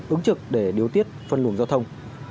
ứng trực để điều tiết phân luồng giao thông